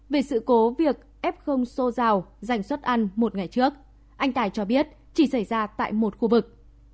về sự cố việc f xô rào dành suất ăn một ngày trước anh tài cho biết chỉ xảy ra tại một khu vực